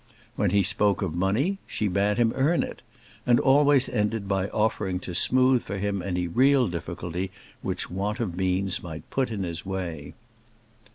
When he spoke of money, she bade him earn it; and always ended by offering to smooth for him any real difficulty which want of means might put in his way.